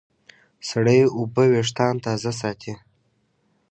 سړې اوبه وېښتيان تازه ساتي.